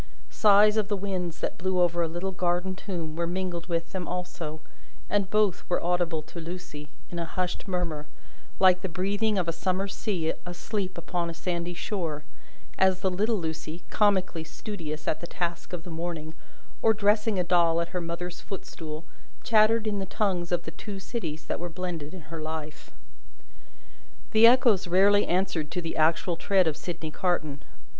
Sighs of the winds that blew over a little garden tomb were mingled with them also, and both were audible to Lucie, in a hushed murmur like the breathing of a summer sea asleep upon a sandy shore as the little Lucie, comically studious at the task of the morning, or dressing a doll at her mother's footstool, chattered in the tongues of the Two Cities that were blended in her life. The Echoes rarely answered to the actual tread of Sydney Carton.